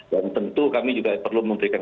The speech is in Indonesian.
dan tentu kami juga perlu memberikan